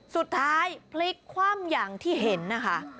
สุดท้ายพลิกความอย่างที่เห็นนะคะ